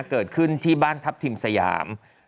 เกิดขึ้นที่บ้านทัพทิมสยาม